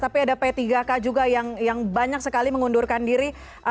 tapi ada p tiga k juga yang banyak sekali mengundurkan diri